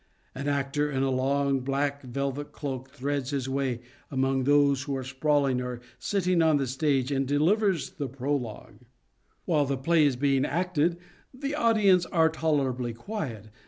An actor in a long black velvet cloak threads his way among those who are sprawling or sitting on the stage and delivers the prologue. While the play is being acted the audience are tolerably quiet.